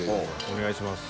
お願いします。